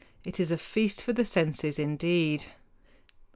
It is a feast for the senses indeed!